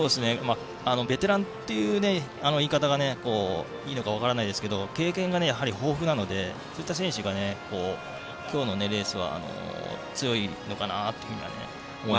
ベテランという言い方がいいのか分からないですが経験が豊富なのでそういった選手が今日のレースは強いのかなと思いますね。